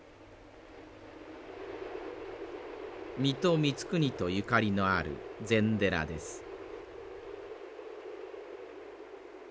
水戸光圀とゆかりのある禅寺です。